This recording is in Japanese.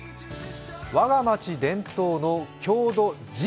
我が町伝統の郷土汁。